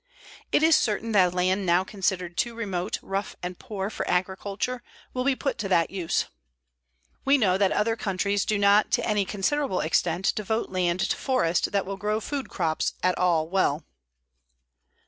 It is certain that land now considered too remote, rough and poor for agriculture will be put to that use. We know that other countries do not to any considerable extent devote land to forest that will grow food crops at all well.